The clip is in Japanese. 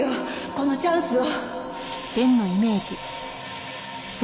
このチャンスを。